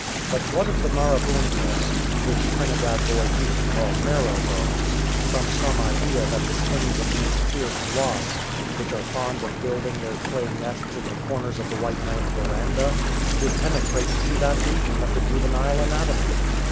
But what of the marabuntas — w^hich Trinidad boys used to call " marrow bones," from some idea that the stings of these fierce wasps, which are fond of building their clay nests in the corners of the white man"'s verandah, would penetrate to that region of the juvenile anatomy